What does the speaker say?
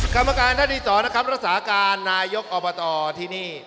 กรรมการท่านที่๒นะครับรักษาการนายกอบตที่นี่